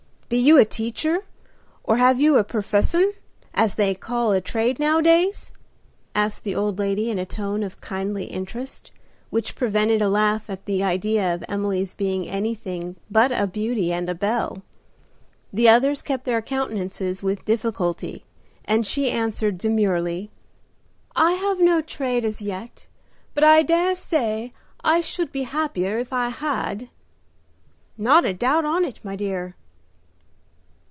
"Be you a teacher? or have you a 'perfessun,' as they call a trade nowadays?" asked the old lady in a tone of kindly interest, which prevented a laugh at the idea of Emily's being anything but a beauty and a belle. The others kept their countenances with difficulty, and she answered demurely, "I have no trade as yet, but I dare say I should be happier if I had." "Not a doubt on't, my dear."